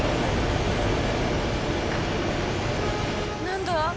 何だ？